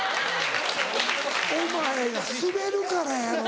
お前がスベるからやろ。